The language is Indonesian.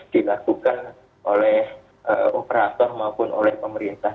dilakukan oleh operator maupun oleh pemerintah